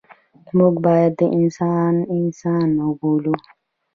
موږ باید انسان انسان وبولو.